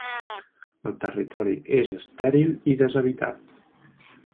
El territori és estèril i deshabitat.